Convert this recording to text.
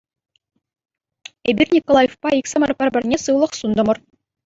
Эпир Николаевпа иксӗмӗр пӗр-пӗрне сывлӑх сунтӑмӑр.